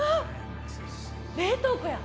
冷凍庫や。